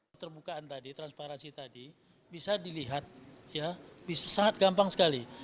keterbukaan tadi transparansi tadi bisa dilihat ya bisa sangat gampang sekali